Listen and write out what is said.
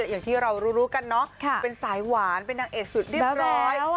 อย่างที่เรารู้กันเนาะเป็นสายหวานเป็นนางเอกสุดเรียบร้อย